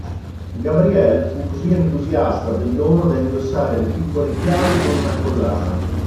Gabrielle fu così entusiasta del dono da indossare le piccole chiavi con una collana.